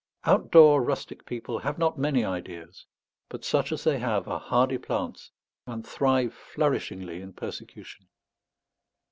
Outdoor rustic people have not many ideas, but such as they have are hardy plants, and thrive flourishingly in persecution.